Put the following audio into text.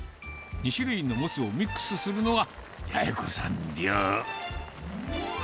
２種類のモツをミックスするのが八重子さん流。